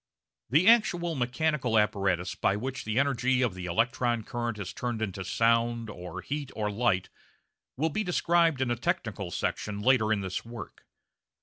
The actual mechanical apparatus by which the energy of the electron current is turned into sound, or heat, or light will be described in a technical section later in this work.